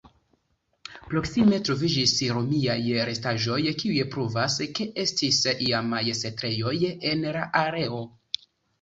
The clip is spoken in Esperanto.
Proksime troviĝis romiaj restaĵoj kiuj pruvas, ke estis iamaj setlejoj en la areo.